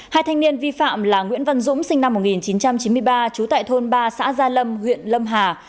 hai thanh niên vi phạm là nguyễn văn dũng sinh năm một nghìn chín trăm chín mươi ba trú tại thôn ba xã gia lâm huyện lâm hà